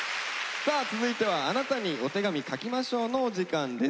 さあ続いては「あなたにお手紙書きましょう」のお時間です。